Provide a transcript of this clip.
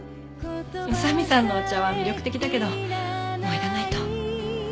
宇佐見さんのお茶は魅力的だけどもう行かないと。